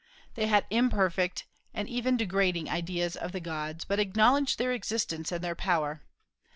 They had imperfect and even degrading ideas of the gods, but acknowledged their existence and their power.